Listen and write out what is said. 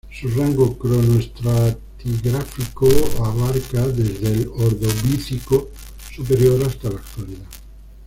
Su rango cronoestratigráfico abarca desde el Ordovícico superior hasta la Actualidad.